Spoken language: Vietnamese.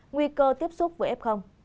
nguy cơ tiếp xúc với f